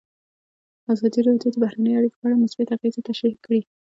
ازادي راډیو د بهرنۍ اړیکې په اړه مثبت اغېزې تشریح کړي.